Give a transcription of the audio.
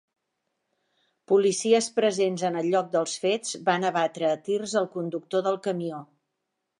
Policies presents en el lloc dels fets, van abatre a tirs al conductor del camió.